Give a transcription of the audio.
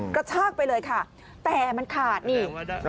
กระชากไปเลยค่ะแต่มันขาดนี่